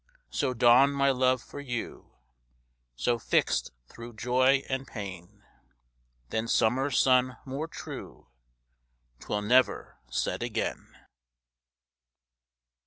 So dawned my love for you; So, fixt thro' joy and pain, Than summer sun more true, 'Twill never set again.